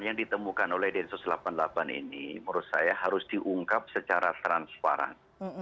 yang ditemukan oleh densus delapan puluh delapan ini menurut saya harus diungkap secara transparan